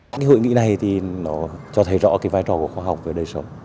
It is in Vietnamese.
cái hội nghị này thì nó cho thấy rõ cái vai trò của khoa học về đời sống